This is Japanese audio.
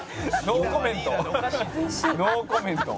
ノーコメント」